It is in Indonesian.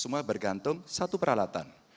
semua bergantung satu peralatan